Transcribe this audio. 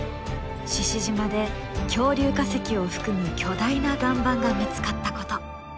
獅子島で恐竜化石を含む巨大な岩盤が見つかったこと。